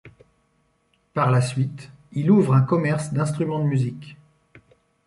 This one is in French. Par la suite, il ouvre un commerce d'instruments de musique.